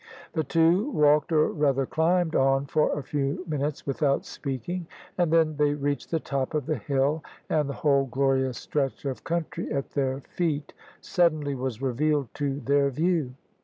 The two walked— or rather climbed — on for a few minutes without speaking, and then they reached the top of the hill, and the whole glorious stretch of country at their feet suddenly was revealed to their view.